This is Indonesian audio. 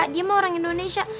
dia mah orang indonesia